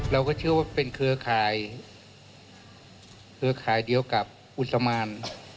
เราก็เชื่อว่าเป็นเครือข่ายเครือข่ายเดียวกับอุสมาน